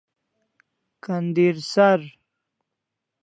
Ka'ndisar